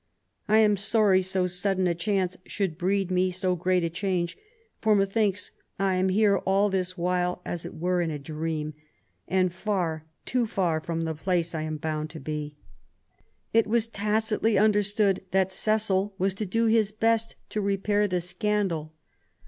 I am sorry so sudden a chance should breed me so great a change : for methinks I am here all this while as it were in a dream, and far — too far — from the place I am bound 68 QUEEN ELIZABETH, to be." It was tacitly understood that Cecil was to do his best to repair the scandal.